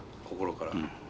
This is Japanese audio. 心から。